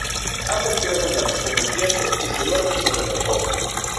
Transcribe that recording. Ambos pierden la noción del tiempo y se duermen sobre la alfombra.